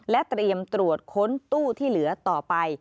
และเตรียมตรวจค้นตู้ที่เหลือต่อไป